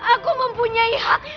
aku mempunyai hak